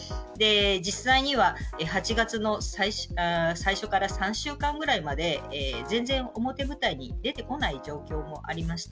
実際には８月の最初から３週間ぐらいまで全然表舞台に出てこない状況もありました